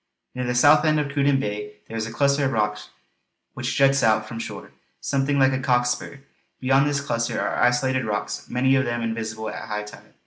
Near the south end of Cruden Bay there is a cluster of rocks which juts out from shore, something like a cock's spur. Beyond this cluster are isolated rocks, many of them invisible at high tide.